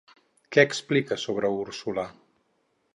Què explica sobre Úrsula?